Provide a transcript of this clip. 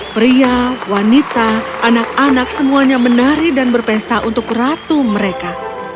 pria wanita anak anak semuanya menari dan berpesta untuk ratu mereka